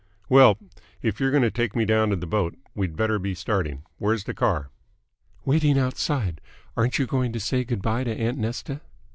... Well, if you're going to take me down to the boat, we'd better be starting. Where's the car?" "Waiting outside. Aren't you going to say good bye to aunt Nesta?"